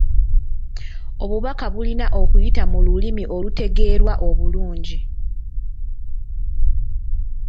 Obubaka bulina okuyita mu lulimi olutegeerwa obulungi.